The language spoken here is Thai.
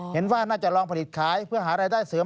เห็นว่าน่าจะลองผลิตขายเพื่อหารายได้เสริม